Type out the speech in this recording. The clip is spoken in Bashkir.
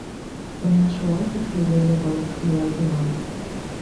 Бына шулай тип һөйләй ябалаҡ илай-илай.